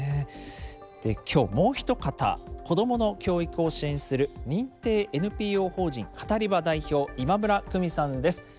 今日もう一方子どもの教育を支援する認定ＮＰＯ法人カタリバ代表今村久美さんです。